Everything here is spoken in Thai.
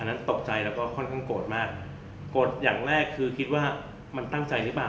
นั้นตกใจแล้วก็ค่อนข้างโกรธมากโกรธอย่างแรกคือคิดว่ามันตั้งใจหรือเปล่า